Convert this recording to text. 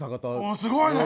すごいね！